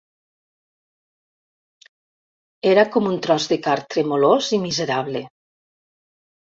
Era com un tros de carn tremolós i miserable.